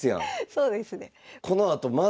そうですね。